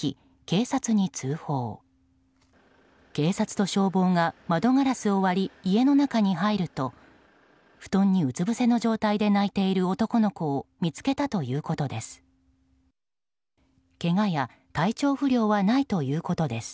警察と消防が窓ガラスを割り、家の中に入ると布団にうつぶせの状態で泣いている男の子を見つけたということです。